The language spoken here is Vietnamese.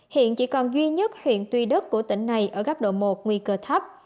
hiện chỉ còn duy nhất huyện tuy đức của tỉnh này ở góc độ một nguy cơ thấp